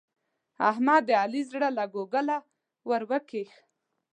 احمد د علي زړه له کوګله ور وکېښ.